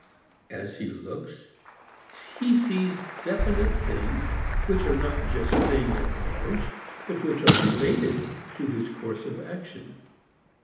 As he looks, he sees definite things which are not just things at large but which are related to his course of action.